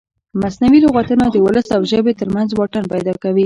مصنوعي لغتونه د ولس او ژبې ترمنځ واټن پیدا کوي.